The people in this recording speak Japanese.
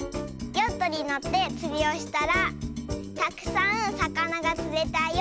「ヨットにのってつりをしたらたくさんさかながつれたよ」。